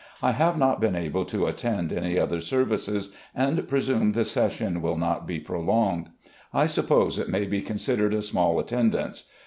I have not been able to attend any other services, and presume the session will not be prolonged. I suppose it may be considered a small attendance.